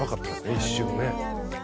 一瞬ね。